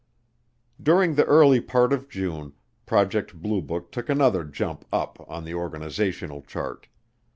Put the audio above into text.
During the early part of June, Project Blue Book took another jump up on the organizational chart.